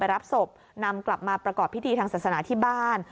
รับศพนำกลับมาประกอบพิธีทางศาสนาที่บ้าน